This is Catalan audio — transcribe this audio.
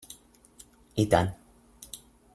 I tant!